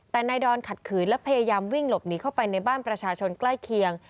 แต่นายดอนขัดขืนและพยายามวิ่งหลบหนีเข้าไปในบ้านประชาชนใกล้เคียง